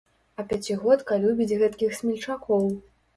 А пяцігодка любіць гэткіх смельчакоў.